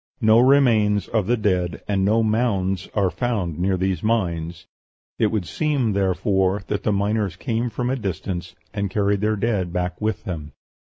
No remains of the dead and no mounds are found near these mines: it would seem, therefore, that the miners came from a distance, and carried their dead back with them.